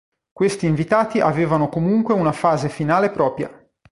Questi invitati avevano comunque una fase finale propria.